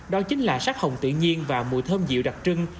đó chính là sắc hồng tự nhiên và mùi thơm dịu đặc trưng